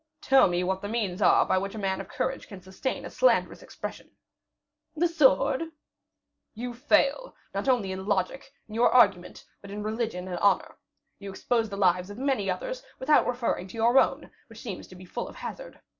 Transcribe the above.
"Tell me what the means are by which a man of courage can sustain a slanderous expression." "The sword." "You fail, not only in logic, in your argument, but in religion and honor. You expose the lives of many others, without referring to your own, which seems to be full of hazard.